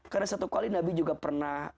karena satu kali nabi juga pernah